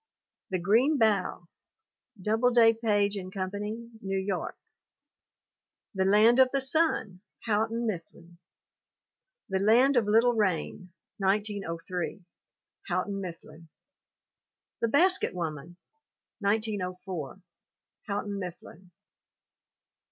The Green Bough. Doubleday, Page & Company, New York. The Land of the Sun, Houghton Mifflin. The Land of Little Rain, 1903. Houghton Mifflin. The Basket Woman, 1904. Houghton Mifflin.